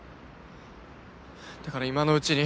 だから今のうちに。